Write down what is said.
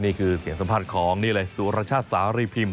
นี่คือเสียงสัมภาษณ์ของนี่เลยสุรชาติสารีพิมพ